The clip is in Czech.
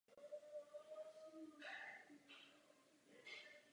Uvnitř je reliéfní vyobrazení mapy Guiney.